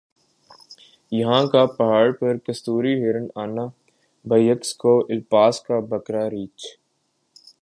یَہاں کا پہاڑ پر کستوری ہرن آنا بیکس کوہ ایلپس کا بکرا ریچھ